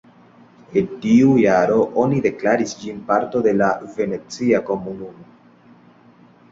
En tiu jaro oni deklaris ĝin parto de la Venecia komunumo.